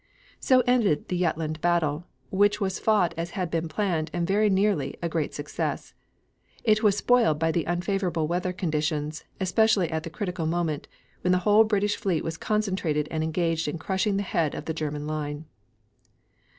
So ended the Jutland battle, which was fought as had been planned and very nearly a great success. It was spoiled by the unfavorable weather conditions, especially at the critical moment, when the whole British fleet was concentrated and engaged in crushing the head of the German line.